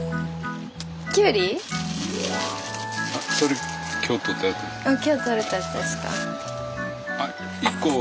あっ今日とれたやつですか。